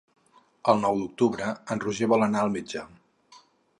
El nou d'octubre en Roger vol anar al metge.